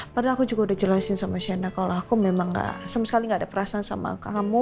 padahal aku juga udah jelasin sama shane kalau aku memang gak sama sekali nggak ada perasaan sama kamu